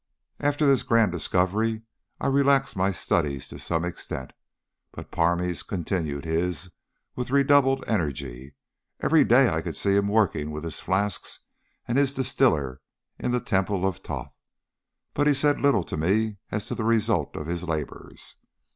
"After this grand discovery I relaxed my studies to some extent, but Parmes continued his with redoubled energy. Every day I could see him working with his flasks and his distiller in the Temple of Thoth, but he said little to me as to the result of his labours.